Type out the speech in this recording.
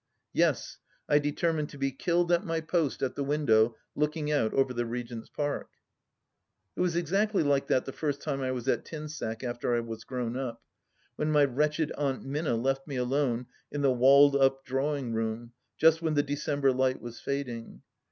Yes, I determined to be killed at my post at the window looking out over the Regent's Park ! It was exactly like that the first time I was at Tinsack after I was grown up — when my wretched Aunt Minna left me alone m the Walled up Drawing Room, just when the December light was fading.